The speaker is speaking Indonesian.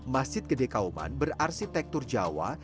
masjid gede kauman berarsitektur jawa